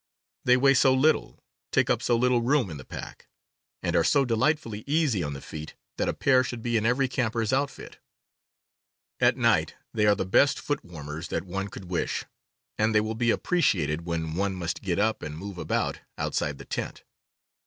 They weigh so little, take up so little room in the pack, and are so delightfully easy on the feet, that a pair should be in every camper's outfit. At night they are the best foot warmers that one could wish, and they will be appreciated when one must get up and move about outside the tent.